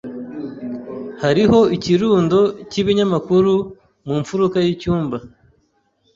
Hariho ikirundo c'ibinyamakuru mu mfuruka y'icyumba.